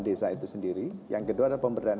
desa itu sendiri yang kedua adalah pemberdayaan